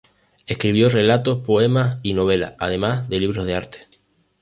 Escribió relatos, poemas y novelas, además de libros de arte.